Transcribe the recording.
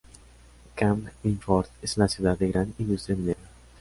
Kamp-Lintfort es una ciudad de gran industria minera.